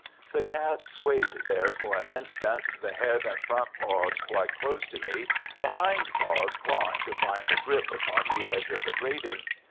The cat swayed there for an instant, the head and front paws quite close to me, the hind paws clawing to find a grip upon the edge of the grating.